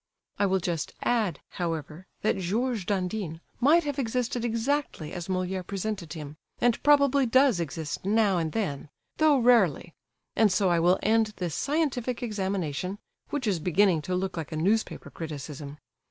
I will just add, however, that Georges Dandin might have existed exactly as Molière presented him, and probably does exist now and then, though rarely; and so I will end this scientific examination, which is beginning to look like a newspaper criticism.